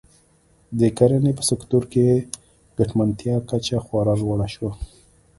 د کرنې په سکتور کې ګټمنتیا کچه خورا لوړه شوه.